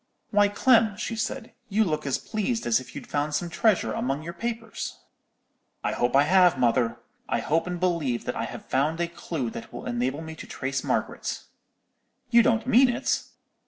"'Why, Clem,' she said, 'you look as pleased as if you'd found some treasure among your papers.' "'I hope I have, mother. I hope and believe that I have found a clue that will enable me to trace Margaret.' "'You don't mean it?'